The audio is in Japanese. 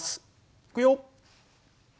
いくよ！